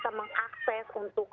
dua duanya semakin tinggi